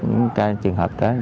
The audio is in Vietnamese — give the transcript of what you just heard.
những ca trường hợp đó